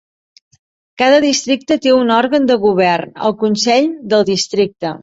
Cada districte té un òrgan de govern, el Consell del Districte.